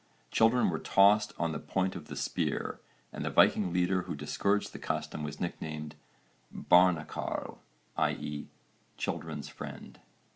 Children were tossed on the point of the spear and the Viking leader who discouraged the custom was nicknamed barnakarl, i.e. children's friend.